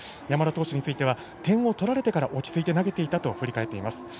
山田投手については点を取られてから落ち着いて投げていたと振り返っています。